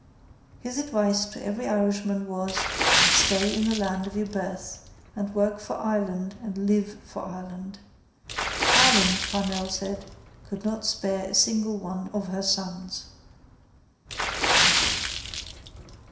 His advice to every Irishman was: stay in the land of your birth and work for Ireland and live for Ireland. Ireland, Parnell said, could not spare a single one of her sons.